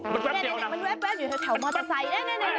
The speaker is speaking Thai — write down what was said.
มันแบบอยู่แถวมอเตอร์ไซด์